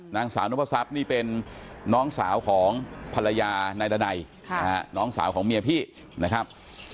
นางสาวนพศัพย์นี่เป็นน้องสาวของภรรยานายดันัยน้องสาวของเมียพี่นะครับ